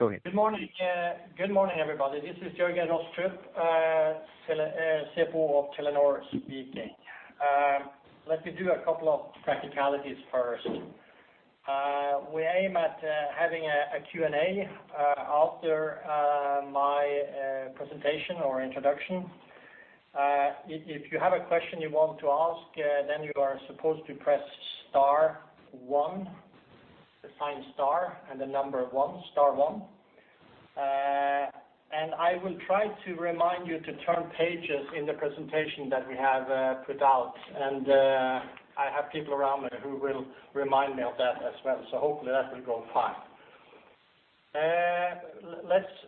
Good morning, good morning, everybody. This is Jørgen C. Rostrup, CFO of Telenor speaking. Let me do a couple of practicalities first. We aim at having a Q&A after my presentation or introduction. If you have a question you want to ask, then you are supposed to press star one, the sign star, and the number one, star one. And I will try to remind you to turn pages in the presentation that we have put out, and I have people around me who will remind me of that as well, so hopefully that will go fine.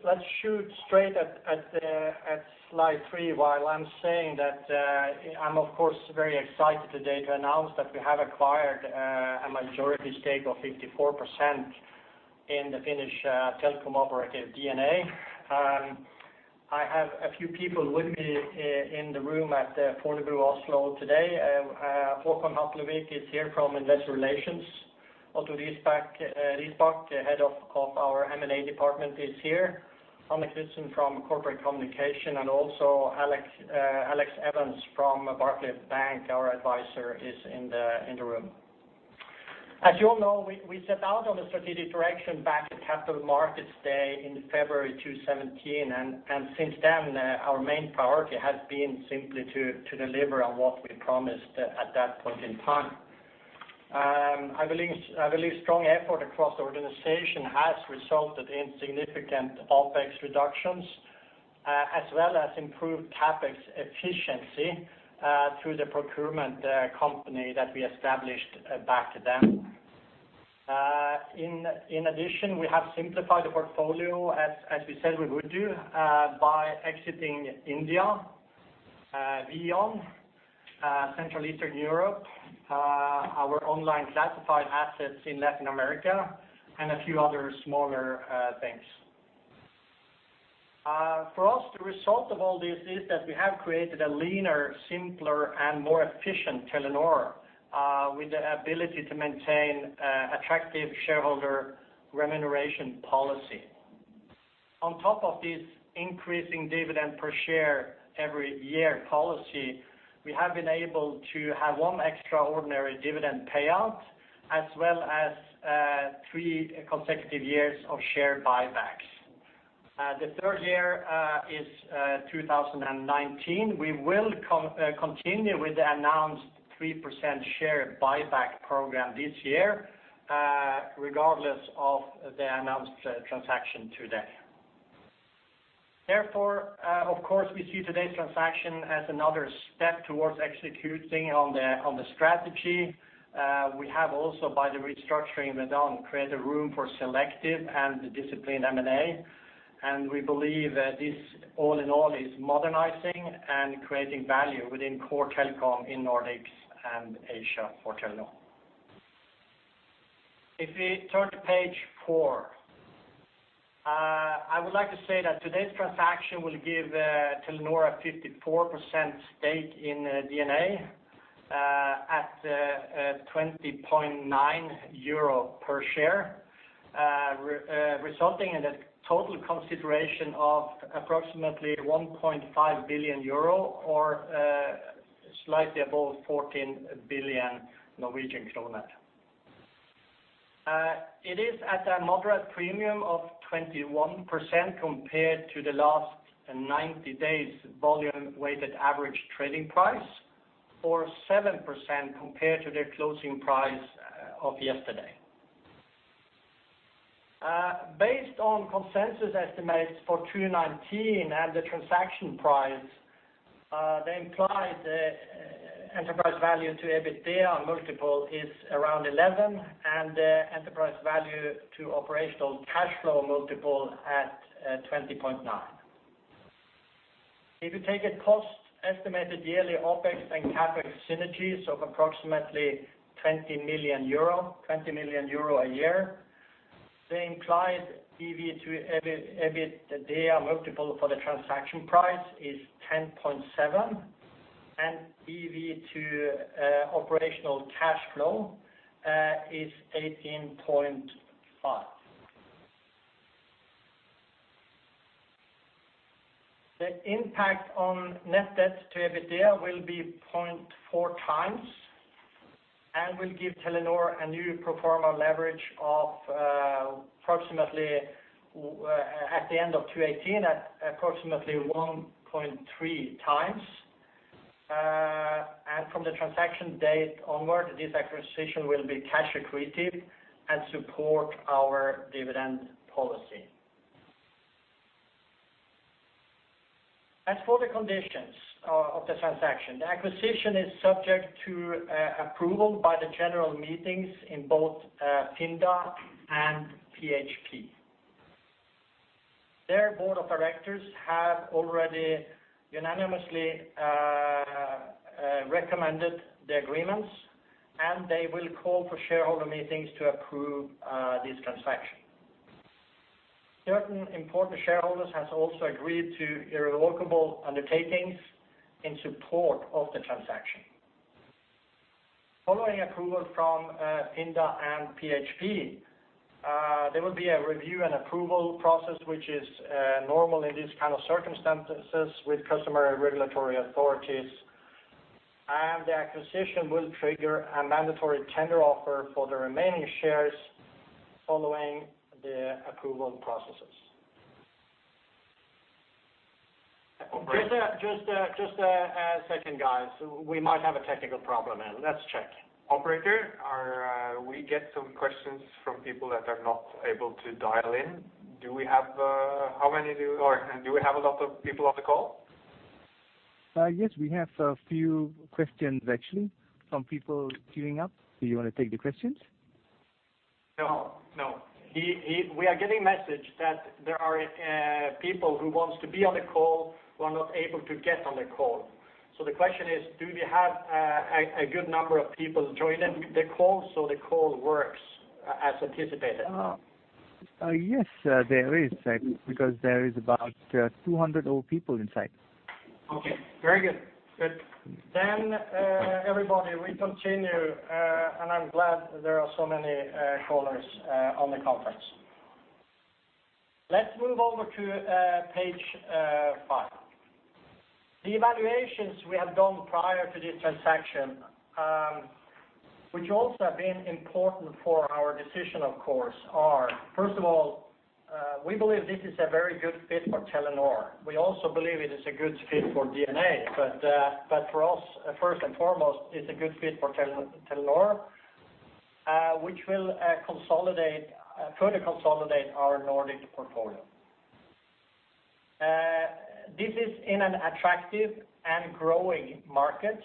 Let's shoot straight at slide three. While I'm saying that, I'm of course very excited today to announce that we have acquired a majority stake of 54% in the Finnish telecom operator DNA. I have a few people with me in the room at Fornebu, Oslo, today. Haakon Hatlevik is here from Investor Relations. Otto Risbakk, the head of our M&A department, is here. Tommy Kristensen from Corporate Communications, and also Alex Evans from Barclays Bank, our advisor, is in the room. As you all know, we set out on a strategic direction back at Capital Markets Day in February 2017, and since then, our main priority has been simply to deliver on what we promised at that point in time. I believe strong effort across the organization has resulted in significant OpEx reductions, as well as improved CapEx efficiency, through the procurement company that we established back then. In addition, we have simplified the portfolio, as we said we would do, by exiting India and Central Eastern Europe, our online classified assets in Latin America, and a few other smaller things. For us, the result of all this is that we have created a leaner, simpler, and more efficient Telenor, with the ability to maintain an attractive shareholder remuneration policy. On top of this increasing dividend per share every year policy, we have been able to have one extraordinary dividend payout, as well as three consecutive years of share buybacks. The third year is 2019. We will continue with the announced 3% share buyback program this year, regardless of the announced transaction today. Therefore, of course, we see today's transaction as another step towards executing on the strategy. We have also, by the restructuring we've done, created room for selective and disciplined M&A, and we believe that this, all in all, is modernizing and creating value within core telecom in Nordics and Asia for Telenor. If we turn to page 4, I would like to say that today's transaction will give Telenor a 54% stake in DNA at 20.9 euro per share, resulting in a total consideration of approximately 1.5 billion euro or slightly above 14 billion Norwegian kroner. It is at a moderate premium of 21% compared to the last 90 days volume-weighted average trading price, or 7% compared to the closing price of yesterday. Based on consensus estimates for 2019 and the transaction price, the implied enterprise value to EBITDA multiple is around 11, and the enterprise value to operational cash flow multiple at 20.9. If you take a cost, estimated yearly OpEx and CapEx synergies of approximately 20 million euro, 20 million euro a year, the implied EV to EBIT, EBITDA multiple for the transaction price is 10.7, and EV to operational cash flow is 18.5. The impact on net debt to EBITDA will be 0.4 times and will give Telenor a new pro forma leverage of, approximately, at the end of 2018, at approximately 1.3 times. From the transaction date onward, this acquisition will be cash accretive and support our dividend policy. As for the conditions of the transaction, the acquisition is subject to, approval by the general meetings in both, Finda and PHP. Their board of directors have already unanimously, recommended the agreements, and they will call for shareholder meetings to approve, this transaction. Certain important shareholders has also agreed to irrevocable undertakings in support of the transaction.... Following approval from, Finda and PHP, there will be a review and approval process, which is, normal in these kind of circumstances with customary and regulatory authorities. The acquisition will trigger a mandatory tender offer for the remaining shares following the approval processes. Just a second, guys. We might have a technical problem, and let's check. Operator, are we getting some questions from people that are not able to dial in? Do we have, how many do, or do we have a lot of people on the call? Yes, we have a few questions, actually, some people queuing up. Do you wanna take the questions? No, no. We are getting message that there are people who wants to be on the call, who are not able to get on the call. So the question is, do we have a good number of people joining the call, so the call works as anticipated? Yes, there is, because there is about 200 old people inside. Okay, very good. Good. Then, everybody, we continue, and I'm glad there are so many callers on the conference. Let's move over to page five. The evaluations we have done prior to this transaction, which also have been important for our decision, of course, are, first of all, we believe this is a very good fit for Telenor. We also believe it is a good fit for DNA, but, but for us, first and foremost, it's a good fit for Telenor, which will consolidate, further consolidate our Nordic portfolio. This is in an attractive and growing market.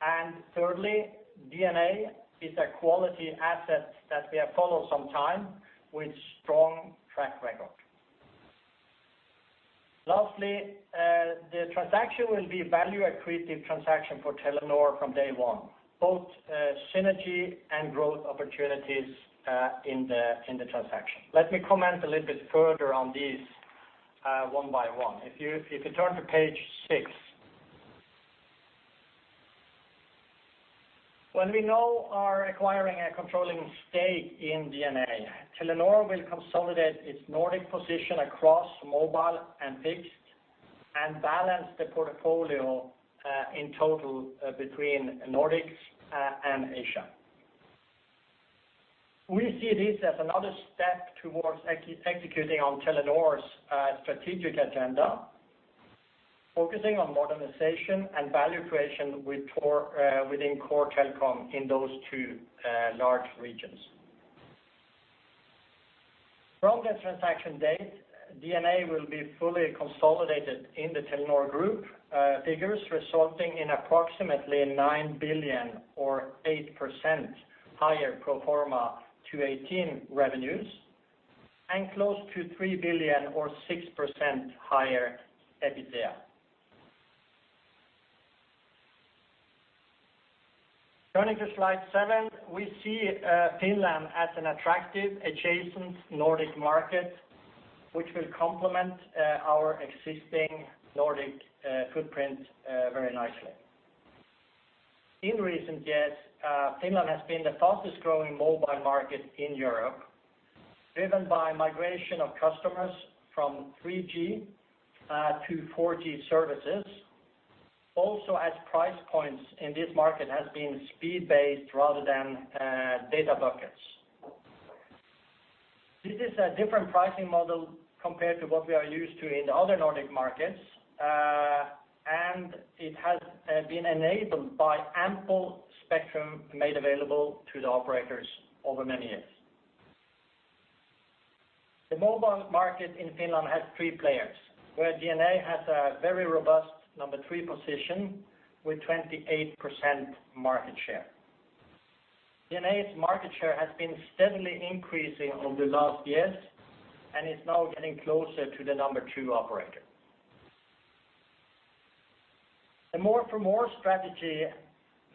And thirdly, DNA is a quality asset that we have followed some time with strong track record. Lastly, the transaction will be value accretive transaction for Telenor from day one, both synergy and growth opportunities in the transaction. Let me comment a little bit further on these one by one. If you turn to page six. When we now are acquiring a controlling stake in DNA, Telenor will consolidate its Nordic position across mobile and fixed, and balance the portfolio in total between Nordics and Asia. We see this as another step towards executing on Telenor's strategic agenda, focusing on modernization and value creation with core within core telecom in those two large regions. From the transaction date, DNA will be fully consolidated in the Telenor Group figures, resulting in approximately 9 billion or 8% higher pro forma 2018 revenues, and close to 3 billion or 6% higher EBITDA. Turning to slide 7, we see Finland as an attractive, adjacent Nordic market, which will complement our existing Nordic footprint very nicely. In recent years, Finland has been the fastest growing mobile market in Europe, driven by migration of customers from 3G to 4G services. Also, as price points in this market has been speed-based rather than data buckets. This is a different pricing model compared to what we are used to in the other Nordic markets, and it has been enabled by ample spectrum made available to the operators over many years. The mobile market in Finland has three players, where DNA has a very robust number 3 position with 28% market share. DNA's market share has been steadily increasing over the last years, and is now getting closer to the number 2 operator. The more for more strategy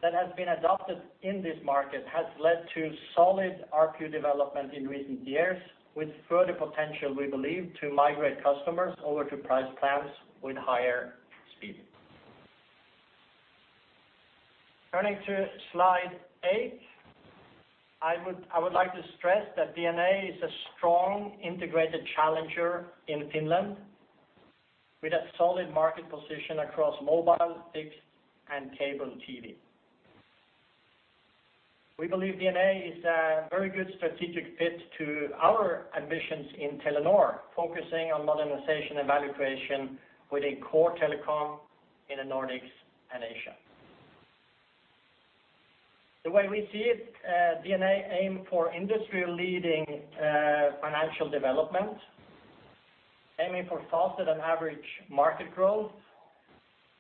that has been adopted in this market has led to solid ARPU development in recent years, with further potential, we believe, to migrate customers over to price plans with higher speed. Turning to slide 8, I would like to stress that DNA is a strong, integrated challenger in Finland, with a solid market position across mobile, fixed, and cable TV. We believe DNA is a very good strategic fit to our ambitions in Telenor, focusing on modernization and value creation with a core telecom in the Nordics and Asia. The way we see it, DNA aim for industry-leading financial development, aiming for faster than average market growth,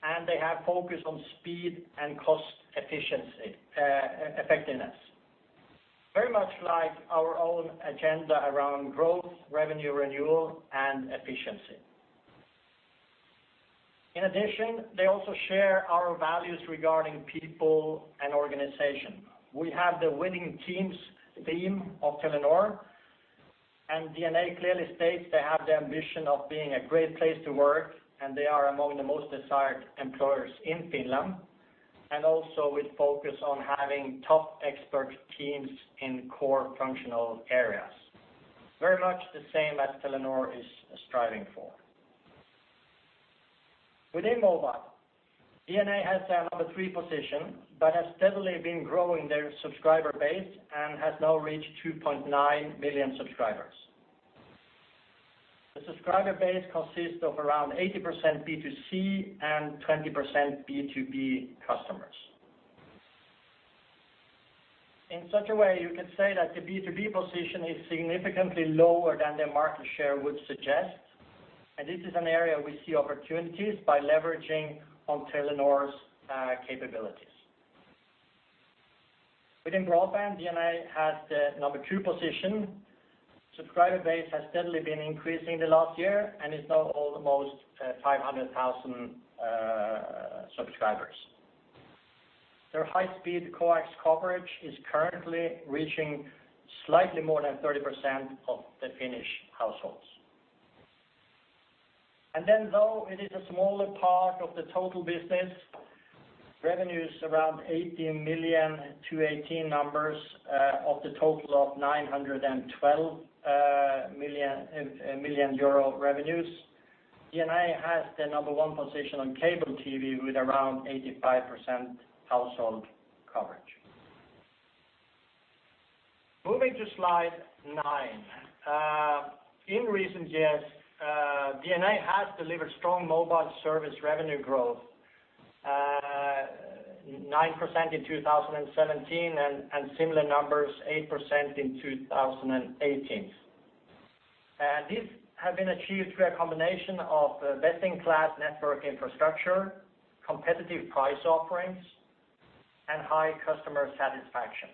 and they have focus on speed and cost efficiency, effectiveness. Very much like our own agenda around growth, revenue renewal, and efficiency. In addition, they also share our values regarding people and organization. We have the winning teams theme of Telenor, and DNA clearly states they have the ambition of being a great place to work, and they are among the most desired employers in Finland, and also with focus on having top expert teams in core functional areas. Very much the same as Telenor is striving for. Within mobile, DNA has the number three position, but has steadily been growing their subscriber base and has now reached 2.9 million subscribers. The subscriber base consists of around 80% B2C and 20% B2B customers. In such a way, you can say that the B2B position is significantly lower than their market share would suggest, and this is an area we see opportunities by leveraging on Telenor's capabilities. Within broadband, DNA has the number two position. Subscriber base has steadily been increasing the last year and is now almost 500,000 subscribers. Their high-speed coax coverage is currently reaching slightly more than 30% of the Finnish households. And then though it is a smaller part of the total business, revenues around 18 million to 18 numbers of the total of 912 million euro revenues, DNA has the number one position on cable TV with around 85% household coverage. Moving to slide 9. In recent years, DNA has delivered strong mobile service revenue growth, 9% in 2017, and similar numbers, 8% in 2018. This have been achieved through a combination of best-in-class network infrastructure, competitive price offerings, and high customer satisfaction.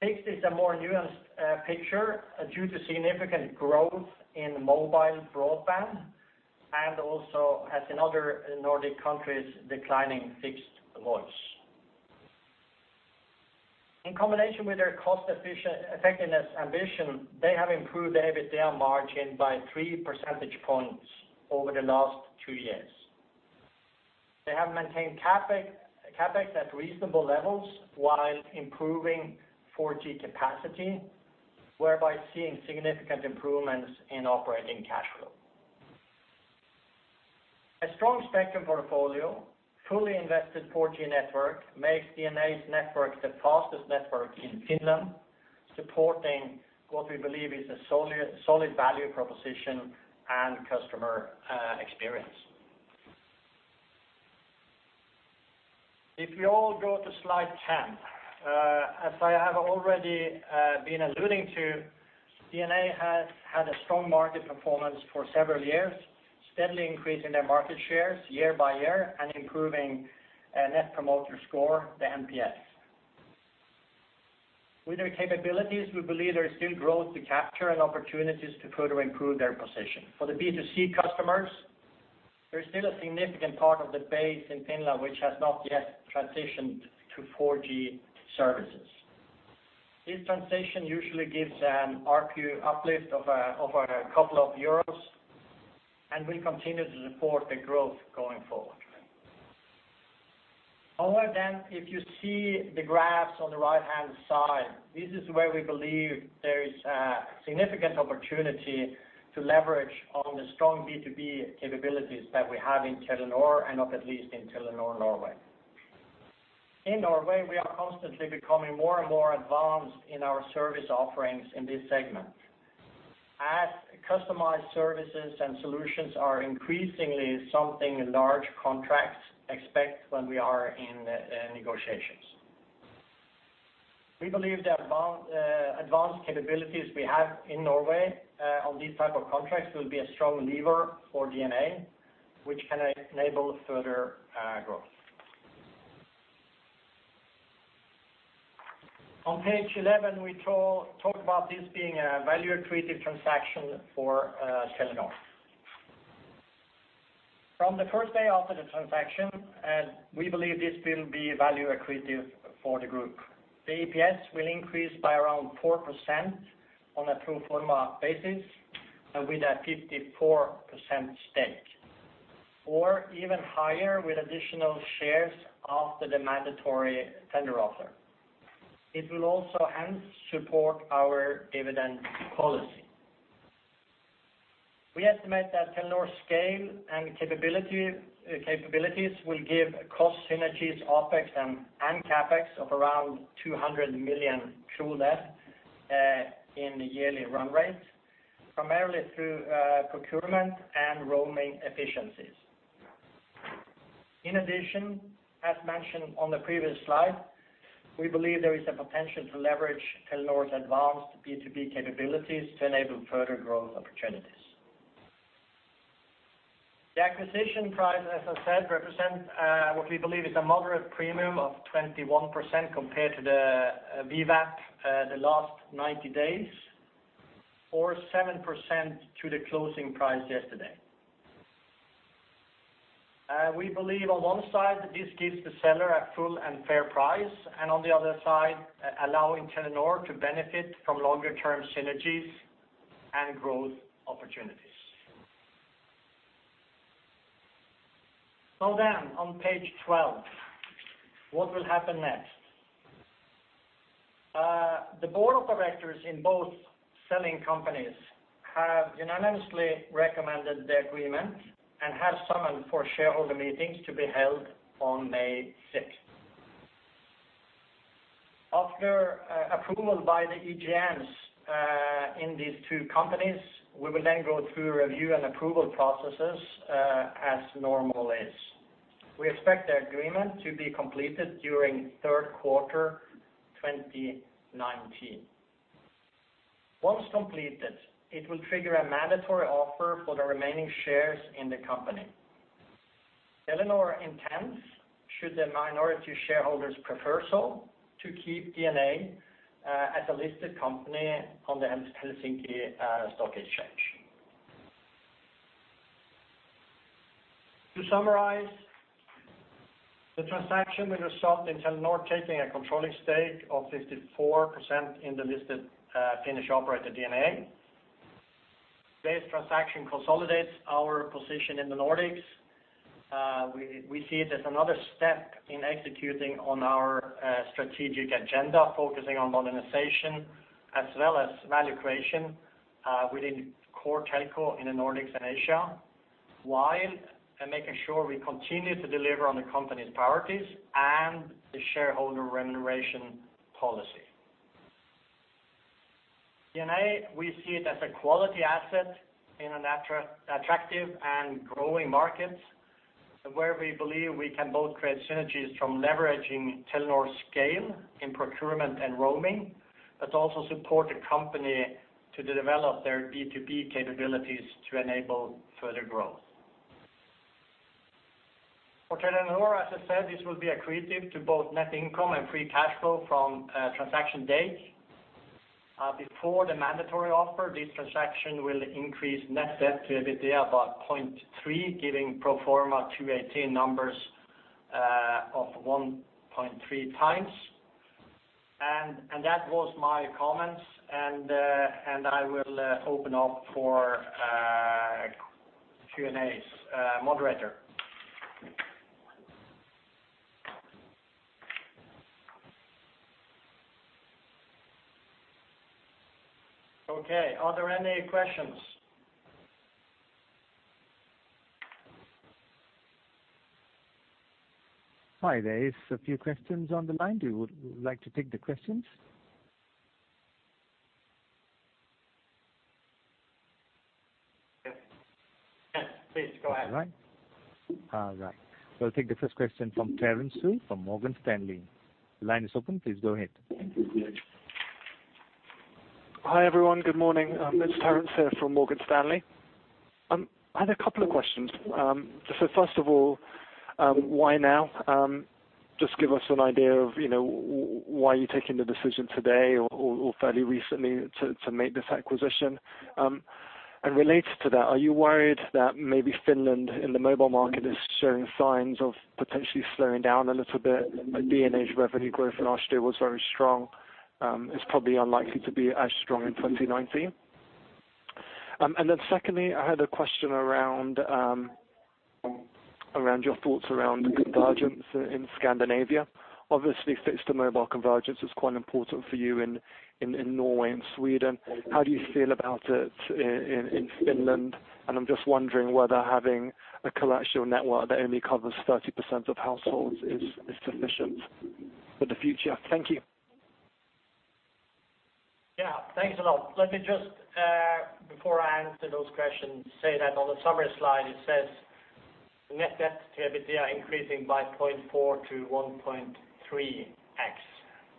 Fixed is a more nuanced picture due to significant growth in mobile broadband, and also as in other Nordic countries, declining fixed voice. In combination with their cost-effectiveness ambition, they have improved the EBITDA margin by three percentage points over the last two years. They have maintained CapEx at reasonable levels while improving 4G capacity, whereby seeing significant improvements in operating cash flow. A strong spectrum portfolio, fully invested 4G network, makes DNA's network the fastest network in Finland, supporting what we believe is a solid value proposition and customer experience. If we all go to slide 10, as I have already been alluding to, DNA has had a strong market performance for several years, steadily increasing their market shares year by year and improving a net promoter score, the NPS. With their capabilities, we believe there is still growth to capture and opportunities to further improve their position. For the B2C customers, there's still a significant part of the base in Finland which has not yet transitioned to 4G services. This transition usually gives an ARPU uplift of a couple of EUR, and will continue to support the growth going forward. However, then, if you see the graphs on the right-hand side, this is where we believe there is a significant opportunity to leverage on the strong B2B capabilities that we have in Telenor, and not at least in Telenor Norway. In Norway, we are constantly becoming more and more advanced in our service offerings in this segment, as customized services and solutions are increasingly something large contracts expect when we are in negotiations. We believe the advanced capabilities we have in Norway on these type of contracts will be a strong lever for DNA, which can enable further growth. On page 11, we talk about this being a value accretive transaction for Telenor. From the first day after the transaction, we believe this will be value accretive for the group. The EPS will increase by around 4% on a pro forma basis, and with a 54% stake, or even higher with additional shares after the mandatory tender offer. It will also hence support our dividend policy. We estimate that Telenor's scale and capability, capabilities will give cost synergies, OpEx and CapEx of around 200 million kroner in the yearly run rate, primarily through procurement and roaming efficiencies. In addition, as mentioned on the previous slide, we believe there is a potential to leverage Telenor's advanced B2B capabilities to enable further growth opportunities. The acquisition price, as I said, represent what we believe is a moderate premium of 21% compared to the VWAP the last 90 days, or 7% to the closing price yesterday. We believe on one side, this gives the seller a full and fair price, and on the other side, allowing Telenor to benefit from longer term synergies and growth opportunities. So then on page 12, what will happen next? The board of directors in both selling companies have unanimously recommended the agreement and have summoned for shareholder meetings to be held on May sixth. After approval by the EGMs in these two companies, we will then go through review and approval processes as normal is. We expect the agreement to be completed during third quarter, 2019. Once completed, it will trigger a mandatory offer for the remaining shares in the company. Telenor intends, should the minority shareholders prefer so, to keep DNA as a listed company on the Helsinki Stock Exchange. To summarize, the transaction will result in Telenor taking a controlling stake of 54% in the listed Finnish operator DNA. This transaction consolidates our position in the Nordics. We see it as another step in executing on our strategic agenda, focusing on monetization as well as value creation within core telco in the Nordics and Asia, while making sure we continue to deliver on the company's priorities and the shareholder remuneration policy. DNA, we see it as a quality asset in an attractive and growing market, where we believe we can both create synergies from leveraging Telenor's scale in procurement and roaming, but also support the company to develop their B2B capabilities to enable further growth. For Telenor, as I said, this will be accretive to both net income and free cash flow from transaction date. Before the mandatory offer, this transaction will increase net debt to EBITDA about 0.3, giving pro forma 2018 numbers of 1.3 times. That was my comments, and I will open up for Q&As, moderator. Okay, are there any questions? Hi, there is a few questions on the line. Do you would like to take the questions? Yes. Yes, please go ahead. All right. Right. So I'll take the first question from Terence Tsui, from Morgan Stanley. The line is open, please go ahead. Thank you. Hi, everyone. Good morning. It's Terence here from Morgan Stanley. I had a couple of questions. So first of all, why now? Just give us an idea of, you know, why you're taking the decision today or, or, or fairly recently to, to make this acquisition. And related to that, are you worried that maybe Finland, in the mobile market, is showing signs of potentially slowing down a little bit? DNA's revenue growth last year was very strong. It's probably unlikely to be as strong in 2019. And then secondly, I had a question around, around your thoughts around convergence in Scandinavia. Obviously, fixed to mobile convergence is quite important for you in, in, in Norway and. How do you feel about it in, in Finland? I'm just wondering whether having a collateral network that only covers 30% of households is sufficient for the future? Thank you. Yeah, thanks a lot. Let me just, before I answer those questions, say that on the summary slide, it says Net Debt to EBITDA increasing by 0.4 to 1.3x.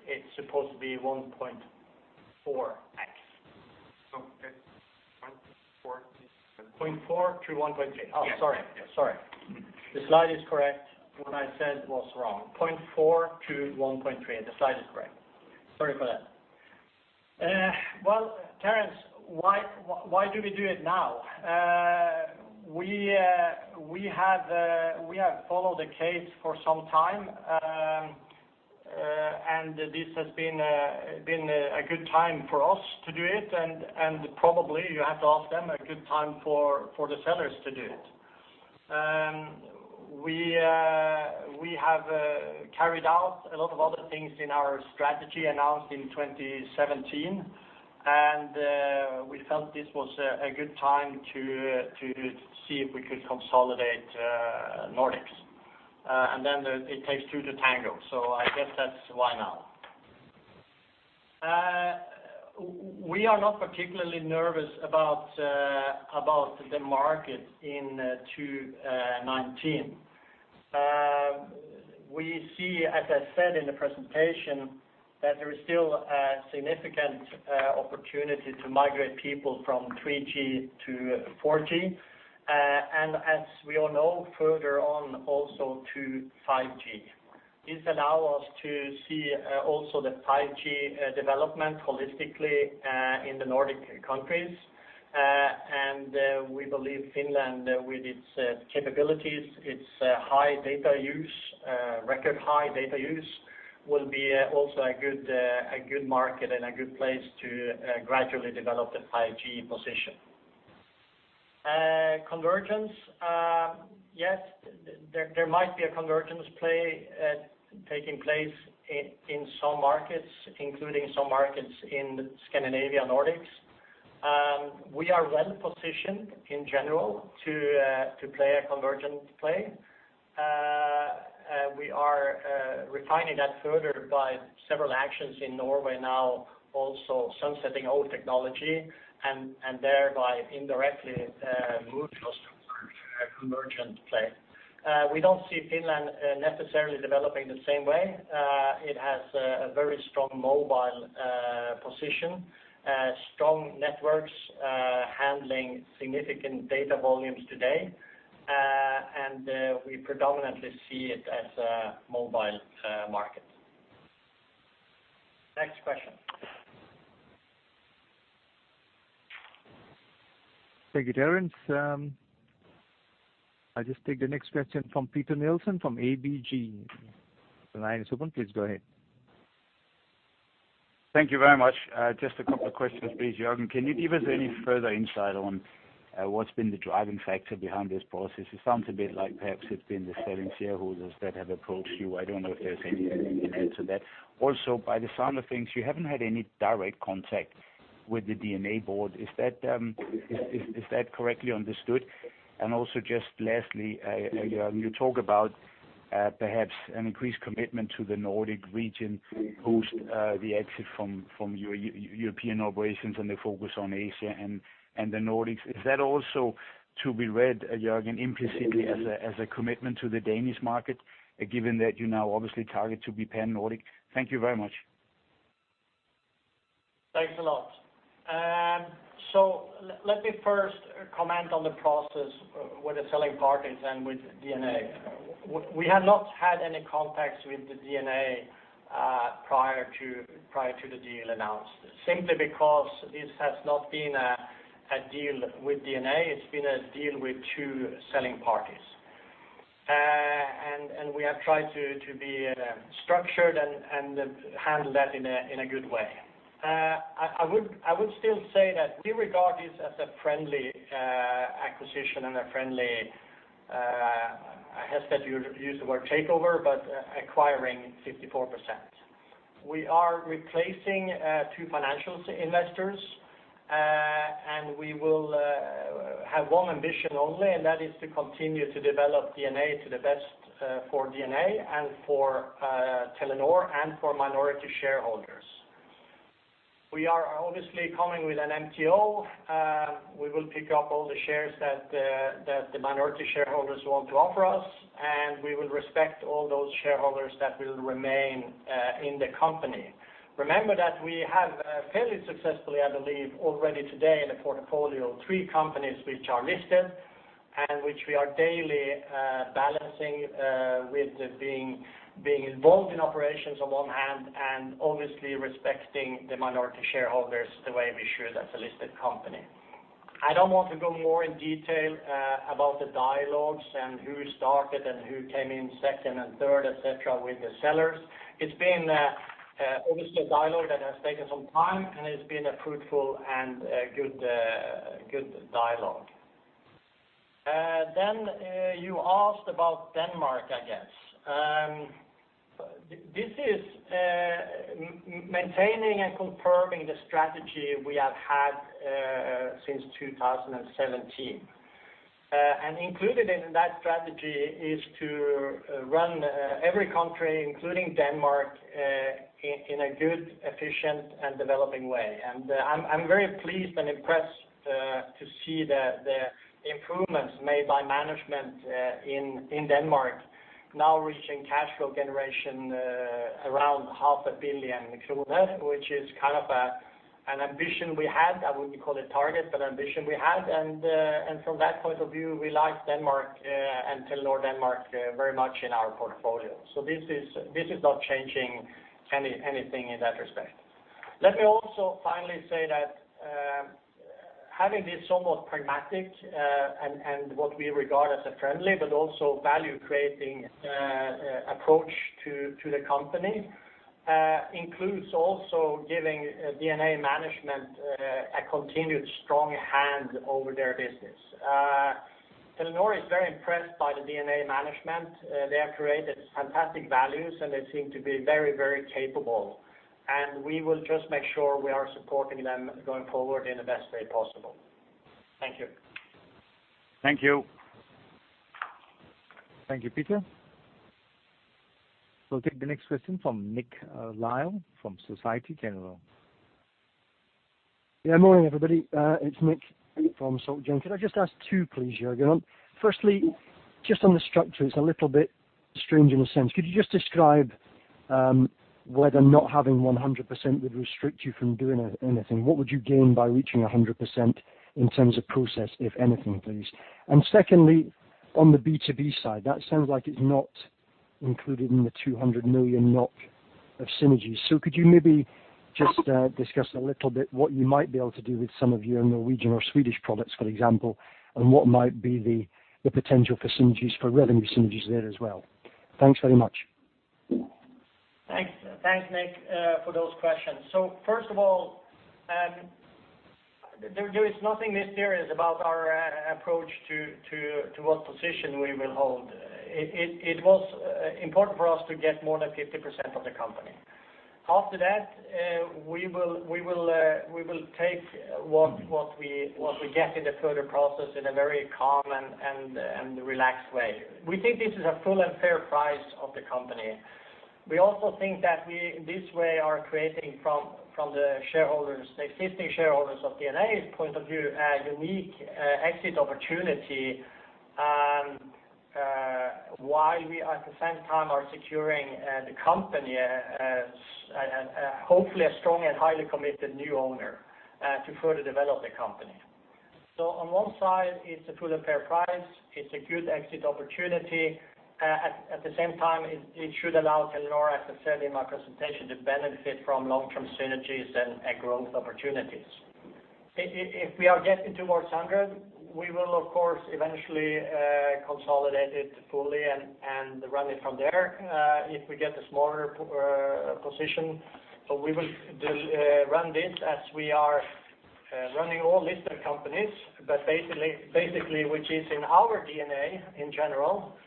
It's supposed to be 1.4x. So it's 0.4- 0.4-1.3. Yeah. Oh, sorry. Sorry. The slide is correct. What I said was wrong. 0.4-1.3, the slide is correct. Sorry about that. Well, Terence, why, why do we do it now? We, we have followed the case for some time, and this has been, been a, a good time for us to do it, and, and probably you have to ask them, a good time for, for the sellers to do it. We, we have, carried out a lot of other things in our strategy announced in 2017, and, we felt this was a, a good time to, to see if we could consolidate, Nordics. And then the, it takes two to tango, so I guess that's why now. We are not particularly nervous about about the market in 2019. We see, as I said in the presentation, that there is still a significant opportunity to migrate people from 3G to 4G, and as we all know, further on, also to 5G. It allows us to see also the 5G development holistically in the Nordic countries. And we believe Finland, with its capabilities, its high data use, record high data use, will be also a good a good market and a good place to gradually develop the 5G position. Convergence, yes, there might be a convergence play taking place in some markets, including some markets in Scandinavia, Nordics. We are well positioned in general to play a convergent play. We are refining that further by several actions in Norway now, also sunsetting old technology, and thereby indirectly move customers to a convergent play. We don't see Finland necessarily developing the same way. It has a very strong mobile position, strong networks, handling significant data volumes today. And we predominantly see it as a mobile market. Next question. Thank you, Terence. I'll just take the next question from Peter Nielsen from ABG. The line is open, please go ahead. Thank you very much. Just a couple of questions, please, Jørgen. Can you give us any further insight on what's been the driving factor behind this process? It sounds a bit like perhaps it's been the selling shareholders that have approached you. I don't know if there's anything you can add to that. Also, by the sound of things, you haven't had any direct contact with the DNA board. Is that correctly understood? And also, just lastly, Jørgen, you talk about perhaps an increased commitment to the Nordic region post the exit from your European operations and the focus on Asia and the Nordics. Is that also to be read, Jørgen, implicitly as a commitment to the Danish market, given that you now obviously target to be pan-Nordic? Thank you very much. Thanks a lot. So let me first comment on the process with the selling parties and with DNA. We have not had any contacts with the DNA prior to, prior to the deal announced, simply because this has not been a deal with DNA; it's been a deal with two selling parties. And we have tried to be structured and handle that in a good way. I would still say that we regard this as a friendly acquisition and a friendly—I hesitate to use the word takeover, but acquiring 54%. We are replacing two financial investors, and we will have one ambition only, and that is to continue to develop DNA to the best for DNA and for Telenor, and for minority shareholders. We are obviously coming with an MTO. We will pick up all the shares that the minority shareholders want to offer us, and we will respect all those shareholders that will remain in the company. Remember that we have fairly successfully, I believe, already today in the portfolio three companies which are listed, and which we are daily balancing with being involved in operations on one hand, and obviously respecting the minority shareholders the way we should as a listed company. I don't want to go more in detail about the dialogues and who started and who came in second and third, et cetera, with the sellers. It's been obviously a dialogue that has taken some time, and it's been a fruitful and a good good dialogue. Then you asked about Denmark, I guess. This is maintaining and confirming the strategy we have had since 2017. Included in that strategy is to run every country, including Denmark, in a good, efficient, and developing way. I'm very pleased and impressed to see the improvements made by management in Denmark, now reaching cash flow generation around 500 million kroner, which is kind of an ambition we had. I wouldn't call it target, but ambition we had. From that point of view, we like Denmark and Telenor Denmark very much in our portfolio. This is not changing anything in that respect. Let me also finally say that, having this somewhat pragmatic, and what we regard as a friendly but also value-creating, approach to the company, includes also giving DNA management a continued strong hand over their business. Telenor is very impressed by the DNA management. They have created fantastic values, and they seem to be very, very capable. And we will just make sure we are supporting them going forward in the best way possible. Thank you. Thank you. Thank you, Peter. We'll take the next question from Nick Lyall from Societe Generale. Yeah, morning, everybody. It's Nick from Soc Gen. Could I just ask two, please, Jørgen? Firstly, just on the structure, it's a little bit strange in a sense. Could you just describe whether not having 100% would restrict you from doing anything. What would you gain by reaching 100% in terms of process, if anything, please? And secondly, on the B2B side, that sounds like it's not included in the 200 million of synergies. So could you maybe just discuss a little bit what you might be able to do with some of your Norwegian or Swedish products, for example, and what might be the potential for synergies, for revenue synergies there as well? Thanks very much. Thanks. Thanks, Nick, for those questions. So first of all, there is nothing mysterious about our approach to what position we will hold. It was important for us to get more than 50% of the company. After that, we will take what we get in the further process in a very calm and relaxed way. We think this is a full and fair price of the company. We also think that we, in this way, are creating from the shareholders, the existing shareholders of DNA's point of view, a unique exit opportunity, while we, at the same time, are securing the company as, hopefully, a strong and highly committed new owner to further develop the company. So on one side, it's a full and fair price. It's a good exit opportunity. At the same time, it should allow Telenor, as I said in my presentation, to benefit from long-term synergies and growth opportunities. If we are getting towards 100, we will, of course, eventually, consolidate it fully and run it from there. If we get a smaller position, so we will run this as we are running all listed companies, but basically, which is in our DNA in general,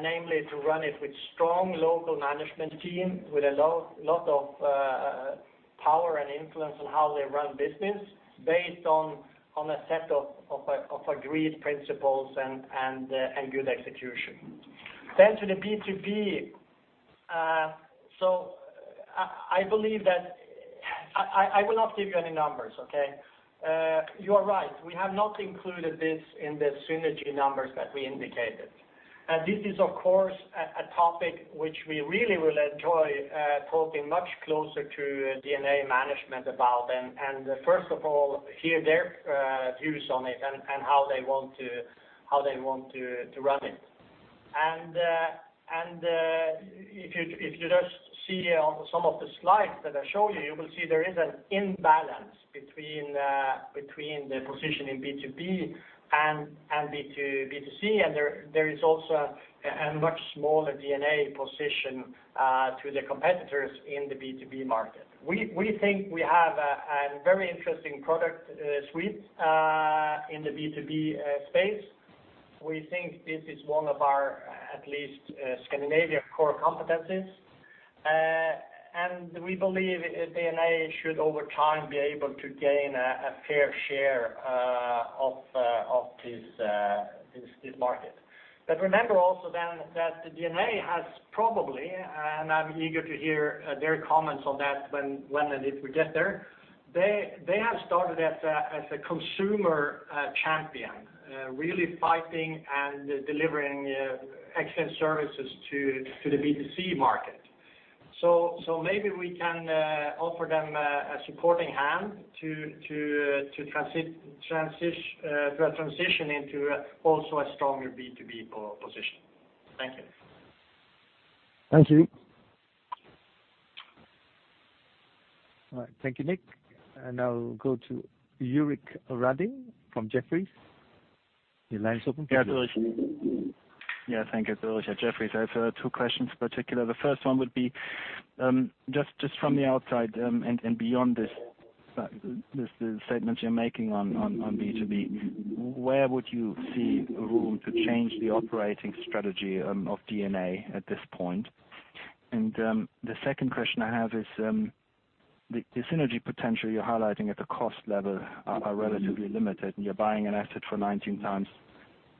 namely, to run it with strong local management team, with a lot of power and influence on how they run business, based on a set of agreed principles and good execution. Then to the B2B, so I believe that... I will not give you any numbers, okay? You are right. We have not included this in the synergy numbers that we indicated. And this is, of course, a topic which we really will enjoy talking much closer to DNA management about, and first of all, hear their views on it and how they want to run it. And if you just see on some of the slides that I showed you, you will see there is an imbalance between the position in B2B and B2C, and there is also a much smaller DNA position to the competitors in the B2B market. We think we have a very interesting product suite in the B2B space. We think this is one of our, at least, Scandinavia core competencies. And we believe DNA should, over time, be able to gain a fair share of this market. But remember also then, that the DNA has probably, and I'm eager to hear their comments on that when and if we get there, they have started as a consumer champion really fighting and delivering excellent services to the B2C market. So maybe we can offer them a supporting hand to a transition into also a stronger B2B position. Thank you. Thank you. Thank you, Nick. Now we'll go to Ulrik Rasmussen from Jefferies. Your line's open. Yeah, thank you. It's Ulrik at Jefferies. I have two questions particular. The first one would be, just from the outside, and beyond this, the statements you're making on B2B, where would you see room to change the operating strategy of DNA at this point? And the second question I have is, the synergy potential you're highlighting at the cost level are relatively limited, and you're buying an asset for 19x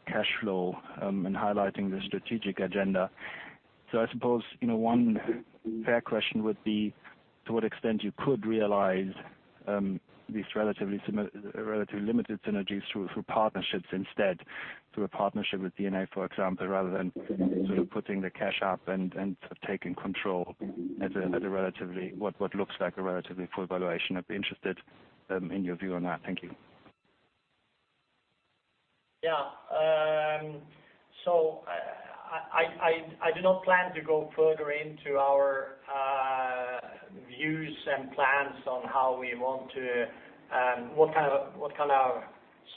cash flow, and highlighting the strategic agenda. So I suppose, you know, one fair question would be, to what extent you could realize these relatively limited synergies through partnerships instead, through a partnership with DNA, for example, rather than sort of putting the cash up and taking control at a relatively what looks like a relatively full valuation. I'd be interested in your view on that. Thank you. Yeah. So I do not plan to go further into our views and plans on how we want to what kind of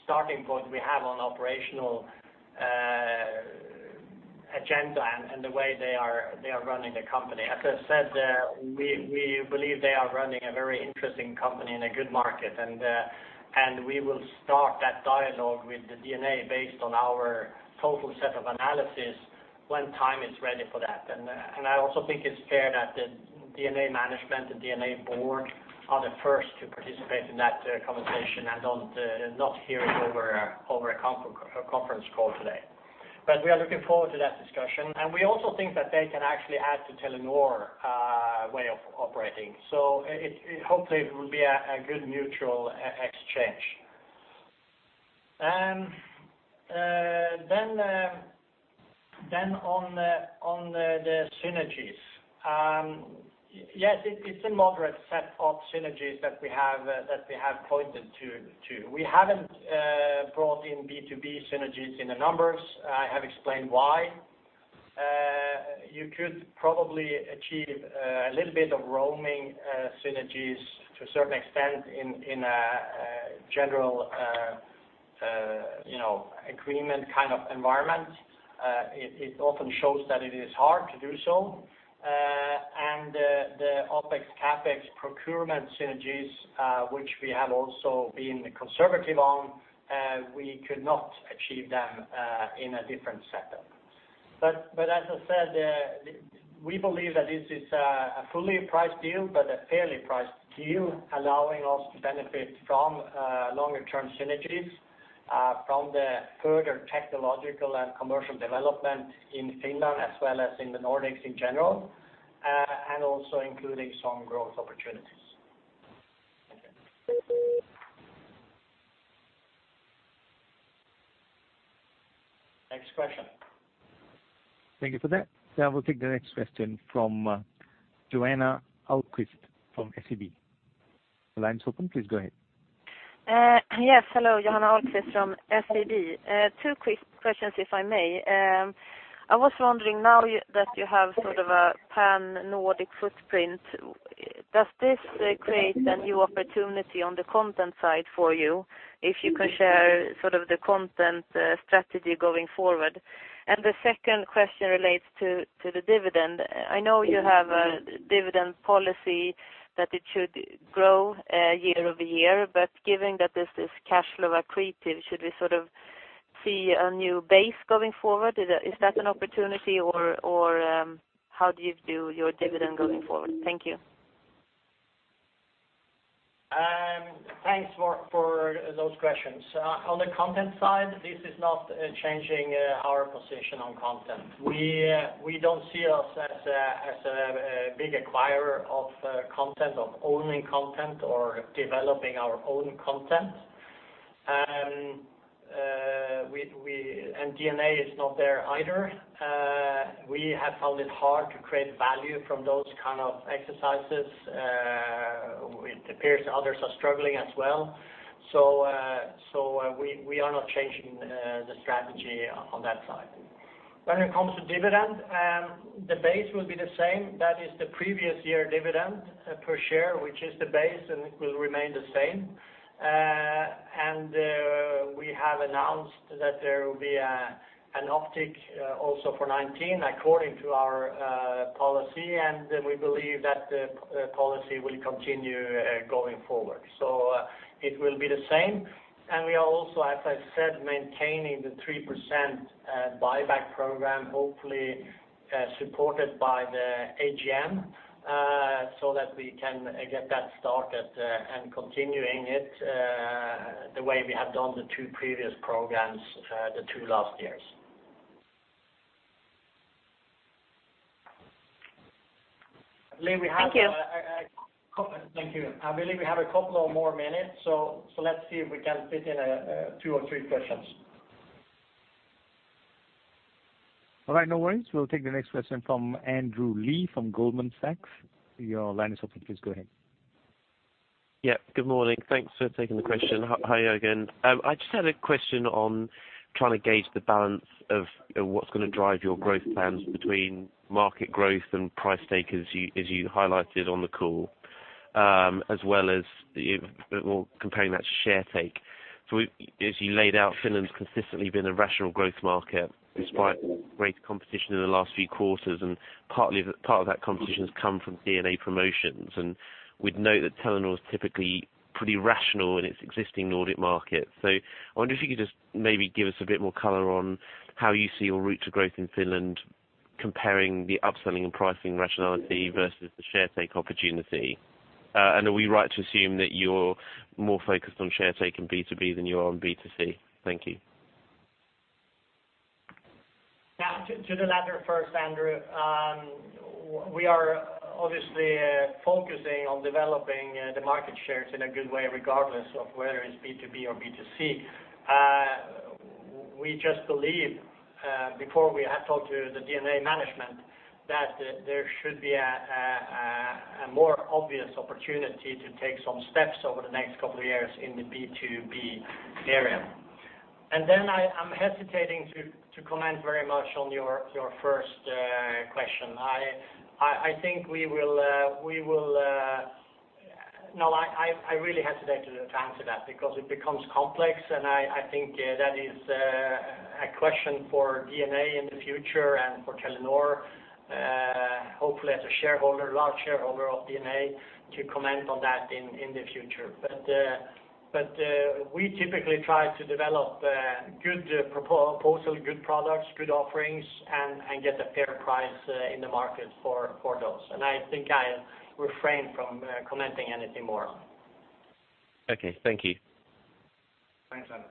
starting point we have on operational agenda and the way they are running the company. As I said, we believe they are running a very interesting company in a good market, and we will start that dialogue with the DNA based on our total set of analysis when time is ready for that. And I also think it's fair that the DNA management, the DNA board, are the first to participate in that conversation and not hear it over a conference call today. But we are looking forward to that discussion, and we also think that they can actually add to Telenor way of operating. So it hopefully will be a good mutual exchange. Then on the synergies. Yes, it's a moderate set of synergies that we have pointed to. We haven't brought in B2B synergies in the numbers. I have explained why. You could probably achieve a little bit of roaming synergies to a certain extent in a general you know agreement kind of environment. It often shows that it is hard to do so. And the OpEx, CapEx procurement synergies, which we have also been conservative on, we could not achieve them in a different setup. As I said, we believe that this is a fully priced deal, but a fairly priced deal, allowing us to benefit from longer-term synergies from the further technological and commercial development in Finland, as well as in the Nordics in general, and also including some growth opportunities. Thank you. Next question. Thank you for that. I will take the next question from Johanna Ahlqvist from SEB. The line is open, please go ahead. Yes, hello. Johanna Ahlqvist from SEB. Two quick questions, if I may. I was wondering now that you have sort of a pan-Nordic footprint, does this create a new opportunity on the content side for you? If you can share sort of the content strategy going forward. And the second question relates to the dividend. I know you have a dividend policy, that it should grow year-over-year, but given that this is cash flow accretive, should we sort of see a new base going forward? Is that an opportunity, or how do you view your dividend going forward? Thank you. Thanks for those questions. On the content side, this is not changing our position on content. We don't see us as a big acquirer of content, of owning content, or developing our own content. And DNA is not there either. We have found it hard to create value from those kind of exercises. It appears others are struggling as well, so we are not changing the strategy on that side. When it comes to dividend, the base will be the same. That is the previous year dividend per share, which is the base, and it will remain the same. We have announced that there will be an uptick also for 2019, according to our policy, and we believe that the policy will continue going forward. So it will be the same. We are also, as I said, maintaining the 3% buyback program, hopefully supported by the AGM, so that we can get that started and continuing it the way we have done the two previous programs the two last years. Thank you. Thank you. I believe we have a couple of more minutes, so let's see if we can fit in two or three questions. All right. No worries. We'll take the next question from Andrew Lee from Goldman Sachs. Your line is open. Please go ahead. Yeah. Good morning. Thanks for taking the question. Hi, Jørgen. I just had a question on trying to gauge the balance of what's gonna drive your growth plans between market growth and price take, as you highlighted on the call, as well as the... Well, comparing that to share take. So as you laid out, Finland's consistently been a rational growth market, despite great competition in the last few quarters, and partly, part of that competition has come from DNA promotions. And we'd note that Telenor is typically pretty rational in its existing Nordic market. So I wonder if you could just maybe give us a bit more color on how you see your route to growth in Finland, comparing the upselling and pricing rationality versus the share take opportunity. Are we right to assume that you're more focused on share take in B2B than you are on B2C? Thank you. Yeah. To the latter first, Andrew. We are obviously focusing on developing the market shares in a good way, regardless of whether it's B2B or B2C. We just believe, before we had talked to the DNA management, that there should be a more obvious opportunity to take some steps over the next couple of years in the B2B area. And then I'm hesitating to comment very much on your first question. I think we will... No, I really hesitate to answer that, because it becomes complex, and I think that is a question for DNA in the future and for Telenor, hopefully as a shareholder, large shareholder of DNA, to comment on that in the future. But we typically try to develop good proposal, good products, good offerings, and get a fair price in the market for those. I think I'll refrain from commenting anything more on it. Okay. Thank you. Thanks, Andrew....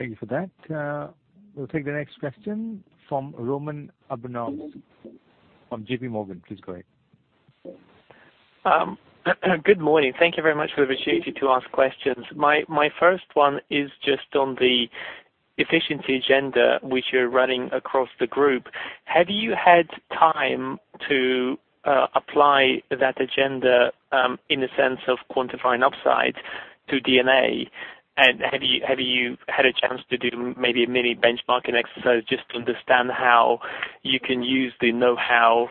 Thank you for that. We'll take the next question from Roman Arbuzov from JPMorgan. Please go ahead. Good morning. Thank you very much for the opportunity to ask questions. My first one is just on the efficiency agenda, which you're running across the group. Have you had time to apply that agenda in the sense of quantifying upside to DNA? And have you had a chance to do maybe a mini benchmarking exercise just to understand how you can use the know-how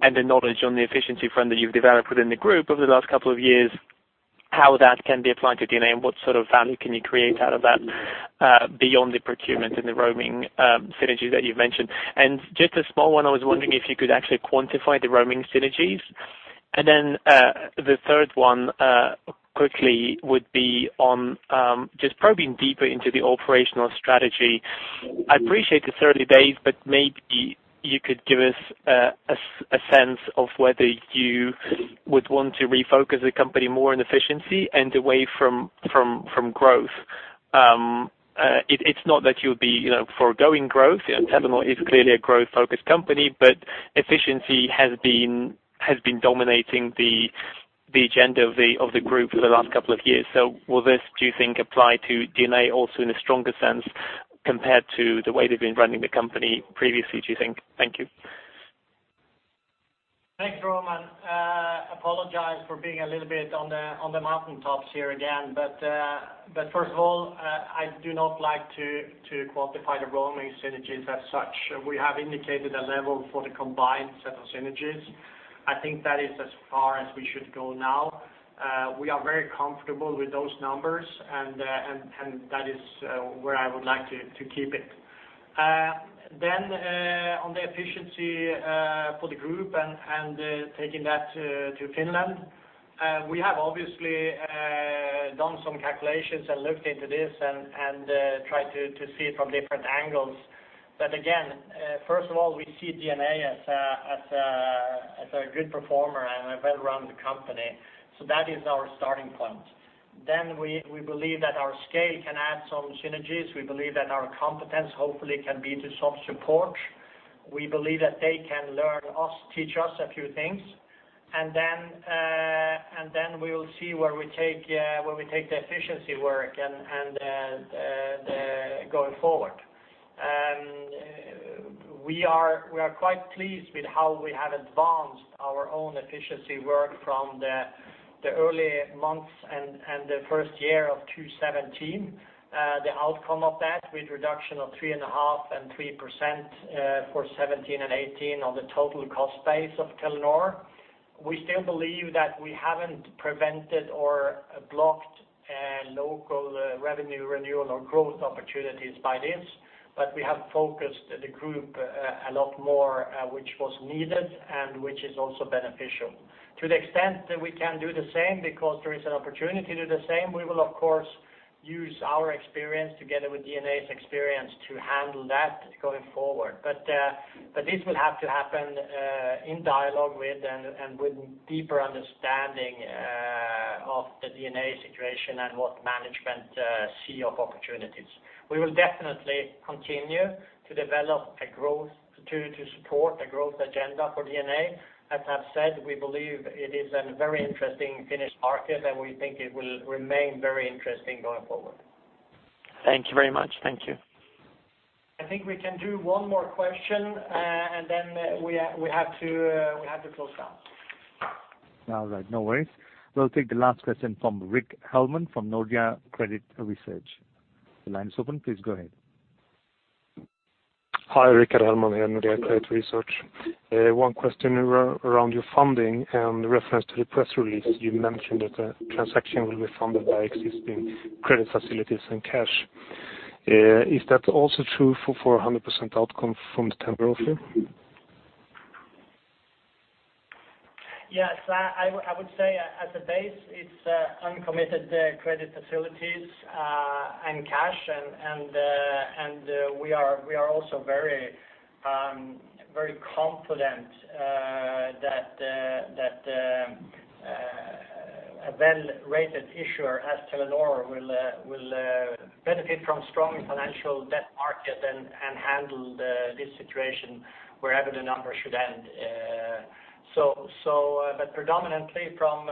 and the knowledge on the efficiency front that you've developed within the group over the last couple of years, how that can be applied to DNA, and what sort of value can you create out of that beyond the procurement and the roaming synergies that you've mentioned? And just a small one, I was wondering if you could actually quantify the roaming synergies. And then, the third one, quickly, would be on just probing deeper into the operational strategy. I appreciate the 30 days, but maybe you could give us a sense of whether you would want to refocus the company more on efficiency and away from growth. It’s not that you’ll be, you know, forgoing growth. Telenor is clearly a growth-focused company, but efficiency has been dominating the agenda of the group for the last couple of years. So will this, do you think, apply to DNA also in a stronger sense compared to the way they’ve been running the company previously, do you think? Thank you. Thanks, Roman. Apologize for being a little bit on the mountain tops here again. But first of all, I do not like to quantify the roaming synergies as such. We have indicated a level for the combined set of synergies. I think that is as far as we should go now. We are very comfortable with those numbers, and that is where I would like to keep it. Then, on the efficiency for the group and taking that to Finland, we have obviously done some calculations and looked into this and tried to see it from different angles. But again, first of all, we see DNA as a good performer and a well-run company. So that is our starting point. Then we believe that our scale can add some synergies. We believe that our competence hopefully can be to some support. We believe that they can learn us, teach us a few things. And then we will see where we take the efficiency work and going forward. We are quite pleased with how we have advanced our own efficiency work from the early months and the first year of 2017. The outcome of that, with reduction of 3.5% and 3% for 2017 and 2018 on the total cost base of Telenor, we still believe that we haven't prevented or blocked local revenue renewal or growth opportunities by this, but we have focused the group a lot more, which was needed and which is also beneficial. To the extent that we can do the same because there is an opportunity to do the same, we will of course use our experience together with DNA's experience to handle that going forward. But this will have to happen in dialogue with and with deeper understanding of the DNA situation and what management see of opportunities. We will definitely continue to develop a growth to support a growth agenda for DNA. As I've said, we believe it is a very interesting Finnish market, and we think it will remain very interesting going forward. Thank you very much. Thank you. I think we can do one more question, and then we have to close down. All right. No worries. We'll take the last question from Rik Hardeman from Nordea Credit Research. The line is open. Please go ahead. Hi, Rik Hardeman here, Nordea Credit Research. One question around your funding. In reference to the press release, you mentioned that the transaction will be funded by existing credit facilities and cash. Is that also true for a 100% outcome from the Telenor offer? Yes, I would say as a base, it's uncommitted credit facilities and cash, and we are also very confident that a well-rated issuer as Telenor will benefit from strong financial debt market and handle this situation wherever the numbers should end. So, but predominantly from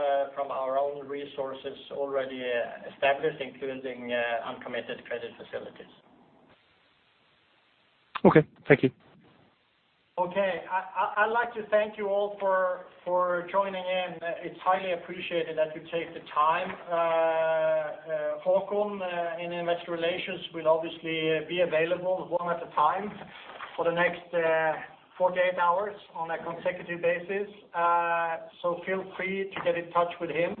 our own resources already established, including uncommitted credit facilities. Okay. Thank you. Okay. I'd like to thank you all for joining in. It's highly appreciated that you take the time. Haakon in investor relations will obviously be available one at a time for the next 48 hours on a consecutive basis. So feel free to get in touch with him.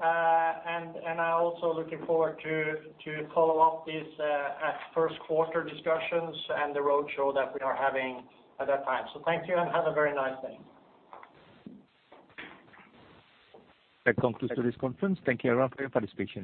And I also looking forward to follow up this at first quarter discussions and the roadshow that we are having at that time. So thank you, and have a very nice day. That concludes today's conference. Thank you all for your participation.